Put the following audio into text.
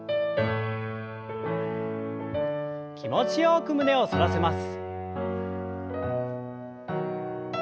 気持ちよく胸を反らせます。